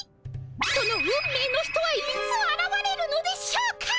その運命の人はいつあらわれるのでしょうか？